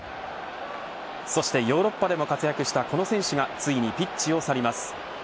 そして、ヨーロッパでも活躍したこの選手がついにピッチを去ります。